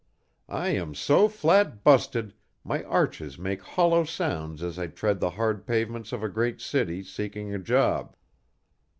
I am so flat busted my arches make hollow sounds as I tread the hard pavements of a great city, seeking a job.